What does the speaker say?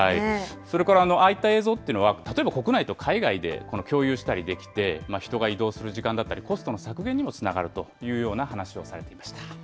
それからああいった映像というのは、例えば、国内と海外で共有したりできて、人が移動する時間だったり、コストの削減にもつながるというような話をされていました。